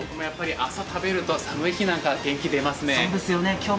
朝食べると寒い日なんかは元気が出ますね。